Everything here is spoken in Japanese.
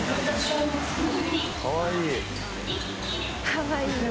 かわいいな。